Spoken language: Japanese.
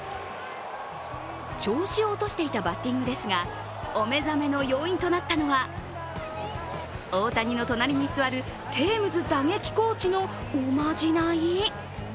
調子を落としていたバッティングですがお目覚めの要因となったのは大谷の隣に座るテームズ打撃コーチのおまじない？